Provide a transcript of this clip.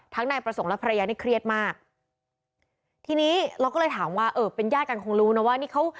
นายประสงค์และภรรยานี่เครียดมากทีนี้เราก็เลยถามว่าเออเป็นญาติกันคงรู้นะว่านี่เขา